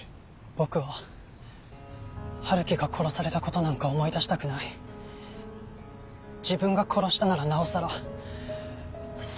僕は春樹が殺された事なんか思い出したくない自分が殺したならなおさらそう思ってました。